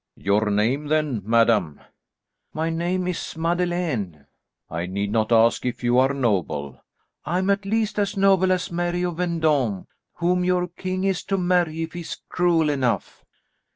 "Your name, then, madam?" "My name is Madeleine." "I need not ask if you are noble." "I am at least as noble as Mary of Vendôme, whom your king is to marry, if he is cruel enough."